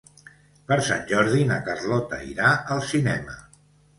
Per Sant Jordi na Carlota irà al cinema.